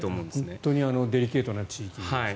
本当にデリケートな地域です。